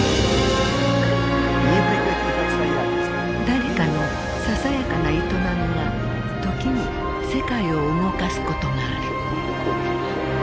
誰かのささやかな営みが時に世界を動かすことがある。